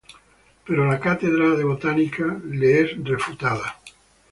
Pero la cátedra de botánica le es refutada.